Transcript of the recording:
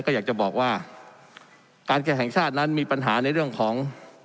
ก็อยากจะบอกว่าการแข่งแห่งชาตินั้นมีปัญหาในเรื่องของ